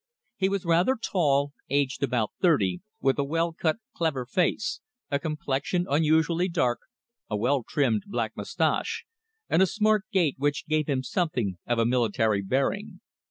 He was rather tall, aged about thirty, with a well cut, clever face, a complexion unusually dark, a well trimmed black moustache, and a smart gait which gave him something of a military bearing.